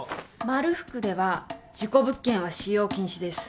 まるふくでは事故物件は使用禁止です。